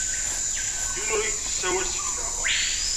Yiwen ur k-d-yessawel seg-neɣ.